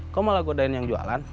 kamu malah godain yang jualan